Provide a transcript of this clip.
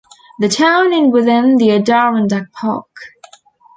The town in within the Adirondack Park.